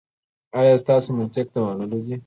ایا ستاسو منطق د منلو دی؟